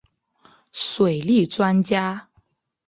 水利专家。